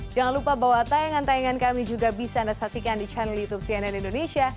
jangan lupa bahwa tayangan tayangan kami juga bisa anda saksikan di channel youtube cnn indonesia